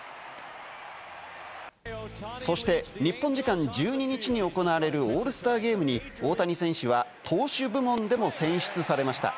そして日本時間１２日に行われるオールスターゲームに大谷選手は投手部門でも選出されました。